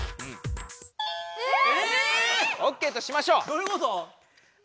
どういうこと？